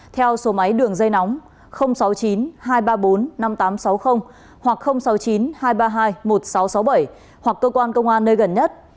theo số máy đường dây nóng sáu mươi chín hai trăm ba mươi bốn năm nghìn tám trăm sáu mươi hoặc sáu mươi chín hai trăm ba mươi hai một nghìn sáu trăm sáu mươi bảy hoặc cơ quan công an nơi gần nhất